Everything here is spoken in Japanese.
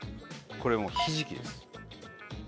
これひじきです。